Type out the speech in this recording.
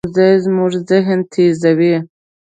ښوونځی زموږ ذهن تیزوي